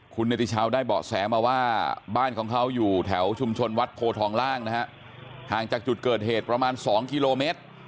คุณเนติชาวได้เบาะแสมาว่าบ้านของเขาอยู่แถวชุมชนวัดโพทองล่างนะฮะห่างจากจุดเกิดเหตุประมาณ๒กิโลเมตร